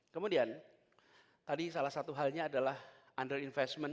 kemudian tadi salah satu halnya adalah under investment